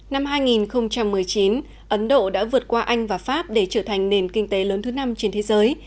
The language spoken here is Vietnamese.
năm hai nghìn một mươi chín ấn độ đã vượt qua anh và pháp để trở thành nền kinh tế lớn thứ năm trên thế giới